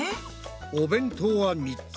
お弁当は３つ。